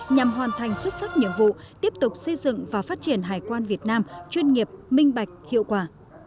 nhằm hoàn thành xuất sắc nhiệm vụ tiếp tục xây dựng và phát triển hải quan việt nam chuyên nghiệp minh bạch hiệu quả